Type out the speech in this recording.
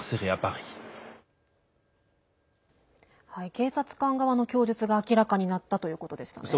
警察官側の供述が明らかになったということでした。